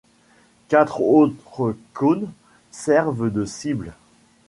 Quatre autres cônes servent de cibles.